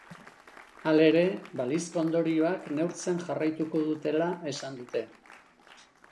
Halere, balizko ondorioak neurtzen jarraituko dutela esan dute.